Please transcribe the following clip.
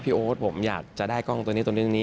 โอ๊ตผมอยากจะได้กล้องตัวนี้ตัวนี้